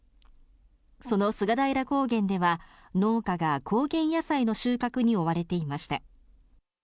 その菅平高原では、農家が高原野菜の収穫に追われていました。